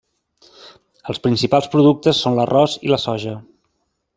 Els principals productes són l'arròs i la soja.